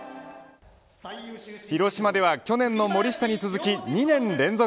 広島では去年の森下に続き２年連続。